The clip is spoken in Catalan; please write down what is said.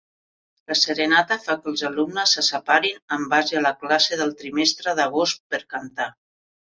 La serenata fa que els alumnes se separin en base a la classe del trimestre d'agost per cantar.